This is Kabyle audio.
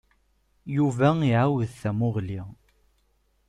Yuba iɛawed tamuɣli.